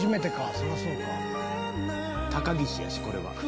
高岸やし、これは。